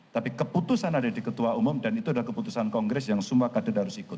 tapi keputusan ada di ketua umum dan itu adalah keputusan kongres yang semua kader harus ikut